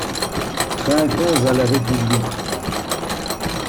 Trinquons à la République!